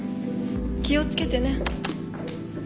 気を付けてね。